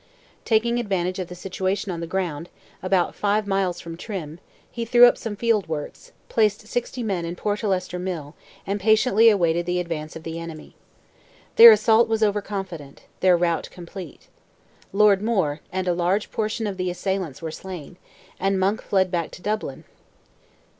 Taking advantage of the situation of the ground, about five miles from Trim, he threw up some field works, placed sixty men in Portlester mill, and patiently awaited the advance of the enemy. Their assault was overconfident, their rout complete. Lord Moore, and a large portion of the assailants were slain, and Monk fled back to Dublin.